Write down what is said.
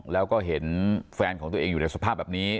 แล้วก็เห็นแฟนของตัวเองอยู่ในสภาพแบบนี้